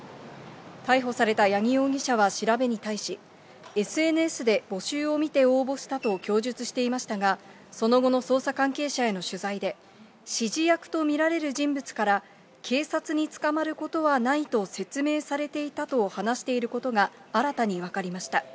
逮捕された八木容疑者は調べに対し、ＳＮＳで募集を見て応募したと供述していましたが、その後の捜査関係者への取材で、指示役と見られる人物から、警察に捕まることはないと説明されていたと話していることが、新たに分かりました。